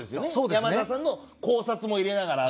山田さんの考察も入れながらと。